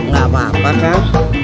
gak mampar kan